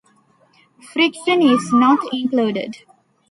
Friction is not included.